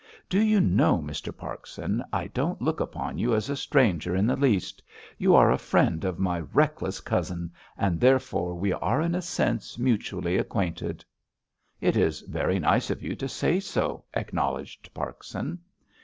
"Do you know, Mr. Parkson, I don't look upon you as a stranger in the least. You are a friend of my reckless cousin, and, therefore, we are in a sense mutually acquainted." "It is very nice of you to say so," acknowledged Parkson.